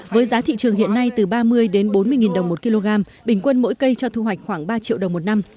với giá thị trường hiện nay từ ba mươi đến bốn mươi đồng một kg bình quân mỗi cây cho thu hoạch khoảng ba triệu đồng một năm